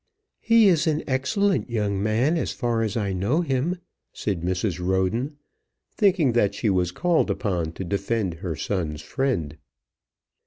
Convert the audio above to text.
"He is an excellent young man, as far as I know him," said Mrs. Roden, thinking that she was called upon to defend her son's friend.